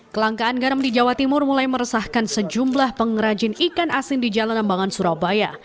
kelangkaan garam di jawa timur mulai meresahkan sejumlah pengrajin ikan asin di jalan ambangan surabaya